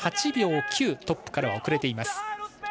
８秒９、トップから遅れています。